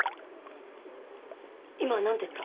今なんて言った？